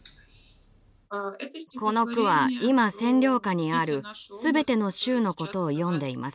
この句は今占領下にあるすべての州のことを詠んでいます。